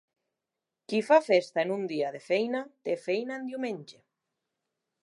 Qui fa festa en dia de feina, té feina en diumenge.